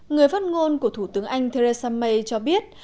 người phát ngôn của thủ tướng anh theresa may cho biết